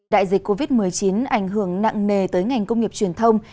đại dịch covid một mươi chín ảnh hưởng nặng nề tới ngành công nghiệp truyền thông